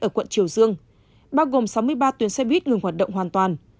ở quận triều dương bao gồm sáu mươi ba tuyến xe buýt ngừng hoạt động hoàn toàn